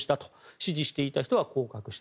支持していた人が降格した。